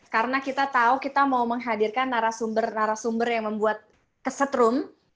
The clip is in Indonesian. karena kita tahu kita mau menghadirkan narasumber narasumber yang membuat kesetrum